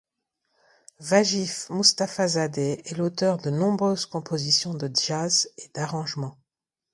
Vagif Mustafazadeh est l’auteur de nombreuses compositions de jazz et d’arrangements.